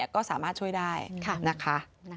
ก็สามารถช่วยได้นะคะ